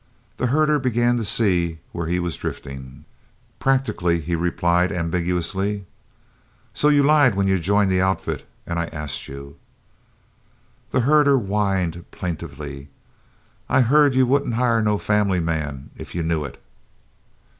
The herder began to see where he was drifting. "Er practically," he replied ambiguously. "So you lied when you joined the Outfit and I asked you?" The herder whined plaintively. "I heerd you wouldn't hire no fambly man if you knew it."